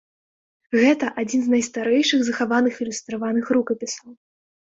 Гэта адзін з найстарэйшых захаваных ілюстраваных рукапісаў.